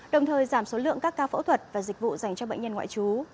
đồng thời giảm số lượng các ca phẫu thuật và dịch vụ dành cho bệnh nhân ngoại trú